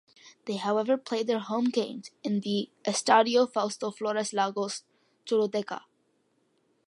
They however played their home games in the Estadio Fausto Flores Lagos, Choluteca.